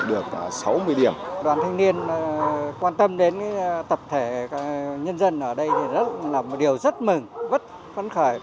đoàn thanh niên quan tâm đến tập thể nhân dân ở đây là một điều rất mừng rất vấn khởi